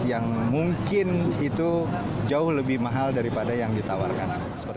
yang mungkin itu jauh lebih mahal daripada yang ditawarkan